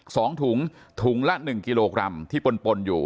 ถุงถุงละหนึ่งกิโลกรัมที่ปนปนอยู่